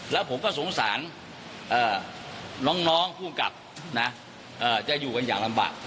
แล้วผมก็สงสารน้องผู้กลับนะจะอยู่กันอย่างลำบาก